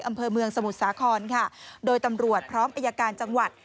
อำเภอเมืองสมุทรสาครค่ะโดยตำรวจพร้อมอายการจังหวัด